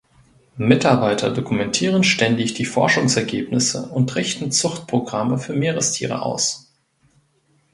Mitarbeiter dokumentieren ständig die Forschungsergebnisse und richten Zuchtprogramme für Meerestiere aus.